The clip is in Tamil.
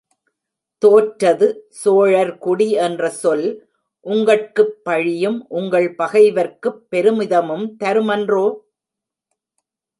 தோற்றது சோழர் குடி என்ற சொல் உங்கட்குப் பழியும், உங்கள் பகைவர்க்குப் பெருமிதமும் தருமன்றோ?